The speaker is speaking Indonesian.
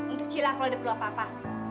untuk cilang kalau ada perlu apa apa